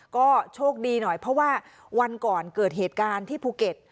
ก็โชคดีหน่อยเพราะว่าวันก่อนเกิดเหตุการณ์ที่ภูเก็ต